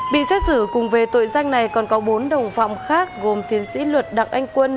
bị xét xử cùng về tội danh này còn có bốn đồng phạm khác gồm tiến sĩ luật đặng anh quân